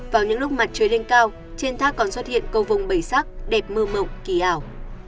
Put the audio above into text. vào những lúc mặt trời lên cao trên thác còn xuất hiện câu vông bầy sắc đẹp mơ mộng kỳ ảo